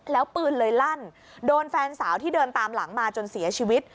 แล้วปืนเลยลั่นโดนแฟนสาวที่เดินตามหลังมาจนเสียชีวิต